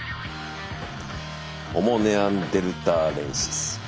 ホモ・ネアンデルターレンシス。